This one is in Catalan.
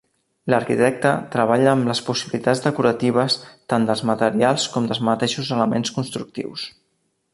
L'arquitecte treballa amb les possibilitats decoratives tant dels materials com dels mateixos elements constructius.